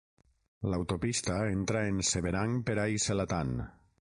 L'autopista entra en Seberang Perai Selatan.